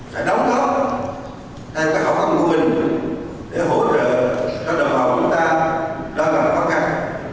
phải đóng góp theo các khó khăn nguồn để hỗ trợ các đồng bào của chúng ta đoàn làm khó khăn